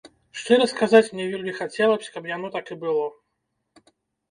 Шчыра сказаць, мне вельмі хацелася б, каб яно так і было.